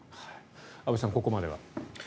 安部さん、ここまでは。